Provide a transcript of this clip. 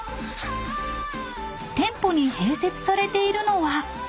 ［店舗に併設されているのは］